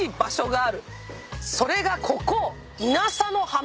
それがここ。